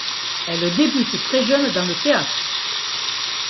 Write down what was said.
Elle débute très jeune dans le théâtre.